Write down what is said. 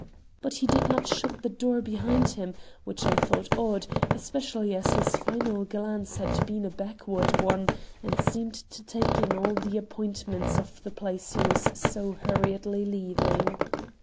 But he did not shut the door behind him, which I thought odd, especially as his final glance had been a backward one, and seemed to take in all the appointments of the place he was so hurriedly leaving.